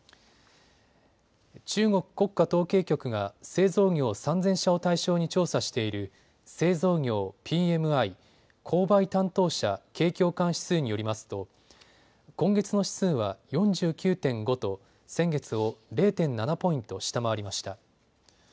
中国国家統計局が製造業３０００社を対象に調査している製造業ＰＭＩ・購買担当者景況感指数によりますと今月の指数は４９．５と先月を０．７ポイント下回りました。